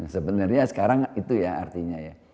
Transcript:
sebenarnya sekarang itu ya artinya ya